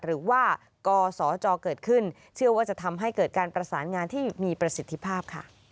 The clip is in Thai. หรือว่ากศจเกิดขึ้นเชื่อว่าจะทำให้เกิดการประสานงานที่มีประสิทธิภาพค่ะ